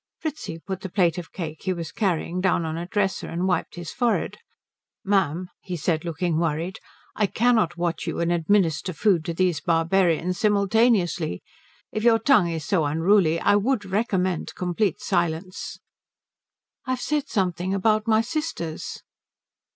Fritzing put the plate of cake he was carrying down on a dresser and wiped his forehead. "Ma'am," he said looking worried, "I cannot watch you and administer food to these barbarians simultaneously. If your tongue is so unruly I would recommend complete silence." "I've said something about my sisters."